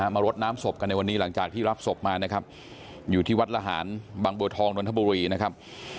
รดน้ำศพกันในวันนี้หลังจากที่รับศพมานะครับอยู่ที่วัดละหารบางบัวทองนนทบุรีนะครับ